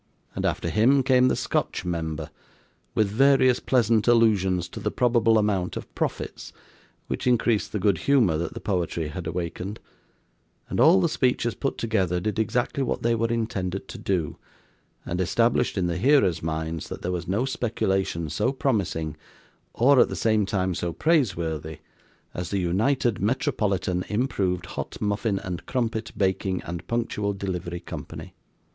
And, after him, came the Scotch member, with various pleasant allusions to the probable amount of profits, which increased the good humour that the poetry had awakened; and all the speeches put together did exactly what they were intended to do, and established in the hearers' minds that there was no speculation so promising, or at the same time so praiseworthy, as the United Metropolitan Improved Hot Muffin and Crumpet Baking and Punctual Delivery Company.